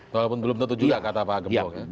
walaupun belum tentu juga kata pak gembong ya